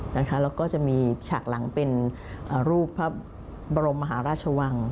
แล้วก็จะมีฉากหลังเป็นรูปพระบรมมหาราชวัง